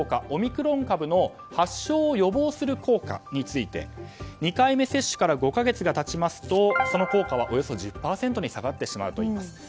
オミクロン株の発症を予防する効果について２回目接種から５か月が経ちますとその効果はおよそ１０％に下がってしまうといいます。